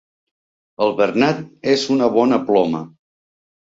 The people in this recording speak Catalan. El Bernat és una bona ploma.